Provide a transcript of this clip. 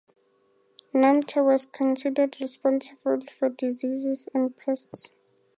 Namtar was considered responsible for diseases and pests.